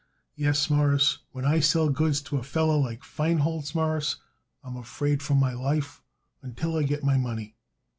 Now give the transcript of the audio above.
Yes, Mawruss, when I sell goods to a feller like Feinholz, Mawruss, I'm afraid for my life until I get my money."